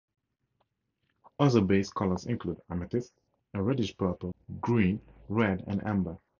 Other base colors include; amethyst, a reddish purple; blue, green, red and amber.